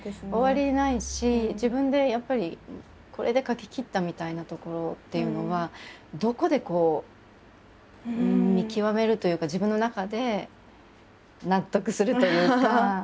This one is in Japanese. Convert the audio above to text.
終わりないし自分でやっぱりこれで書ききったみたいなところっていうのはどこで見極めるというか自分の中で納得するというかなのかしら？と。